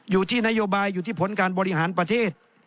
อยู่ที่นโยบายอยู่ที่ผลการบริหารประเทศ